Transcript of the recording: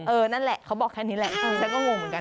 นั่นแหละเขาบอกแค่นี้แหละดิฉันก็งงเหมือนกัน